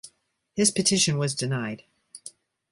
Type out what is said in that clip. His petition was denied.